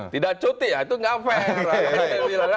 tidak cuti ya itu nggak fair